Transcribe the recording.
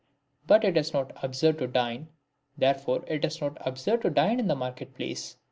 But it is not absurd to dine, therefore it is riot absurd to dine in the market place."